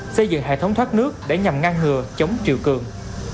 xây dựng hệ thống thoát nước để nhằm ngăn ngừa chống triều cường